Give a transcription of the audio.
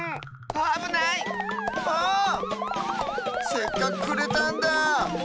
せっかくくれたんだ。